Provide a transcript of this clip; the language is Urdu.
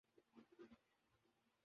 جو یہاں کے طبعی حسن کو دوبالا کر دیتے ہیں